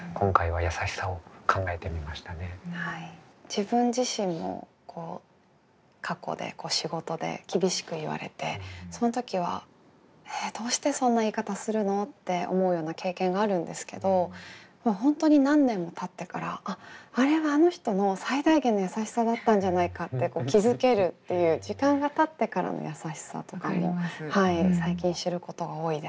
自分自身の過去で仕事で厳しく言われてその時は「えっどうしてそんな言い方するの？」って思うような経験があるんですけど本当に何年もたってから「あっあれはあの人の最大限のやさしさだったんじゃないか」って気付けるっていう時間がたってからのやさしさとかも最近知ることが多いですね。